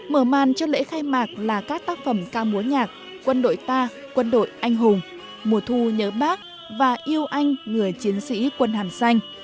mở màn cho lễ khai mạc là các tác phẩm ca múa nhạc quân đội ta quân đội anh hùng mùa thu nhớ bác và yêu anh người chiến sĩ quân hàm xanh